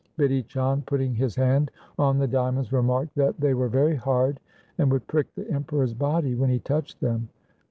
Bidhi Chand, putting his hand on the diamonds, remarked that they were very hard, and would prick the Emperor's body when he touched them.